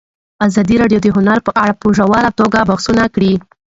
ازادي راډیو د هنر په اړه په ژوره توګه بحثونه کړي.